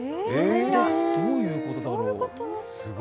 どういうことだろう？